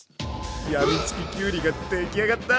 やみつききゅうりが出来上がった！